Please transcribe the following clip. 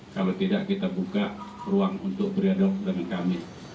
kalau tidak kita buka ruang untuk beredar dengan kami